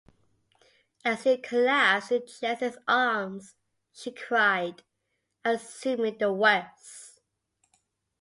As he collapsed in Jessie's arms, she cried, assuming the worst.